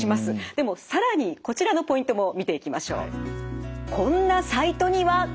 でも更にこちらのポイントも見ていきましょう。